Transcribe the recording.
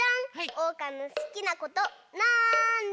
おうかのすきなことなんだ？